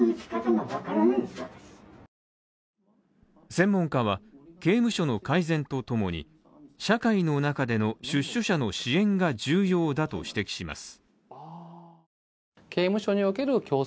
専門家は刑務所の改善とともに、社会の中での出所者の支援が重要だと指摘します。